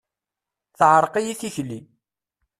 Teɛreq-iyi tikli.